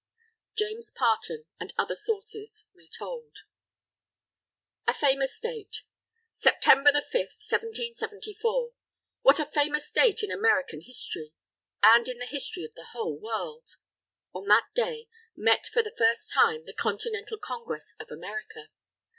James Parton, and Other Sources (Retold) A FAMOUS DATE September 5, 1774! What a famous date in American history! And in the history of the whole World! On that day, met for the first time, the Continental Congress of America.